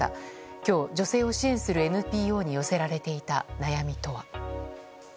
今日、女性を支援するＮＰＯに寄せられていた悩みとは。